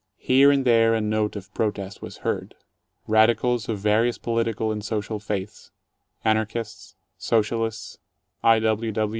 Here and there a note of protest was heard. Radicals of vari ous political and social faiths — Anarchists, Socialists, I.